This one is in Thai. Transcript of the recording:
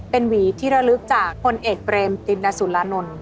เป็นหวีที่ระลึกจากพลเอกเบรมตินสุรานนท์